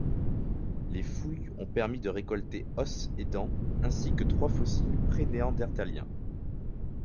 Les fouilles ont permis de récolter os et dents ainsi que trois fossiles pré-néandertaliens.